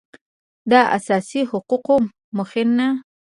د اساسي حقوقو مخینه